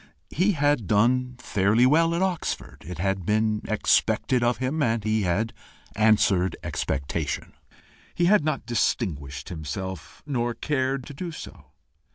He had done fairly well at Oxford: it had been expected of him, and he had answered expectation; he had not distinguished himself, nor cared to do so.